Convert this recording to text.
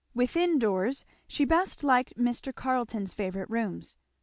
Within doors she best liked Mr. Carleton's favourite rooms.